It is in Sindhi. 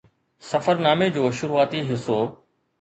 سفرنامي جو شروعاتي حصو